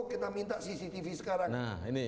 kita minta cctv sekarang